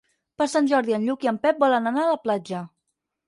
Per Sant Jordi en Lluc i en Pep volen anar a la platja.